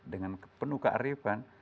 dengan penuh kearifan